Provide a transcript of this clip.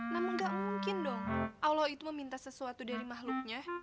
namun gak mungkin dong allah itu meminta sesuatu dari makhluknya